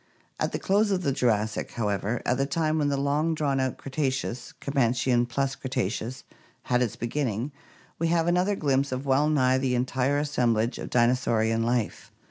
At the close of the Jurassic, how ever, at the time when the long drawn out Cretaceous (Coman chian + Cretaceous) had its beginning, we have another glimpse of well nigh the entire assemblage of dinosaurian life.